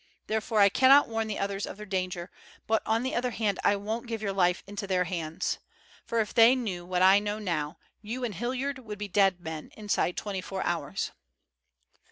Therefore, I cannot warn the others of their danger, but on the other hand I won't give your life into their hands. For if they knew what I know now, you and Hilliard would be dead men inside twenty four hours."